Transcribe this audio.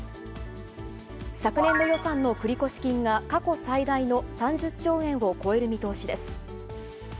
昨年度予算の繰越金が、過去最大の３０兆円を超える見通しです。